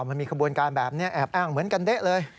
มันมีขบวนการแบบนี้แอบอ้างเหมือนกันเด๊ะเลย